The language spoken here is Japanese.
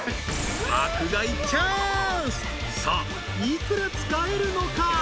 ［さあ幾ら使えるのか？］